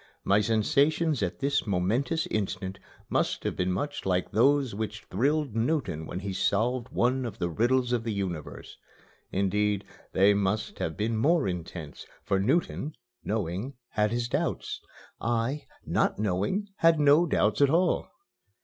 My sensations at this momentous instant must have been much like those which thrilled Newton when he solved one of the riddles of the universe. Indeed, they must have been more intense, for Newton, knowing, had his doubts; I, not knowing, had no doubts at all.